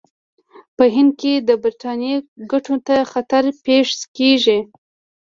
په هند کې د برټانیې ګټو ته خطر پېښ کړي.